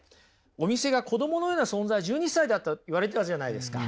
お店が子どものような存在１２歳だと言われたじゃないですか。